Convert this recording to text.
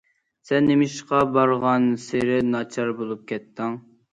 سەن نېمىشقا بارغانسېرى ناچار بولۇپ كەتتىڭ!